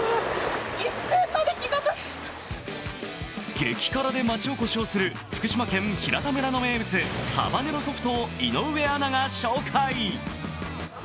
激辛で町おこしをする福島県平田村の名物、ハバネロソフトを井上アナが紹介。